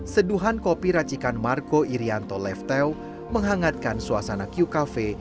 seduhan kopi racikan marco irianto lefteo menghangatkan suasana q cafe